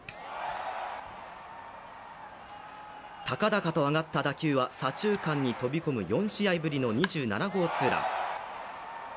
高々と上がった打球は左中間に飛び込む４試合ぶりの２７号ツーラン。